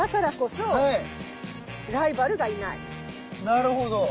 なるほど。